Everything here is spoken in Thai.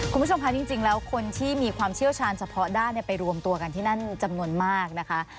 คุณผู้ชมคะจริงแล้วคนที่มีความเชี่ยวชาญเฉพาะด้านไปรวมตัวกันที่นั่นจำนวนมากนะคะ